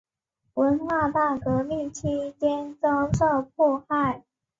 文化大革命期间遭受迫害。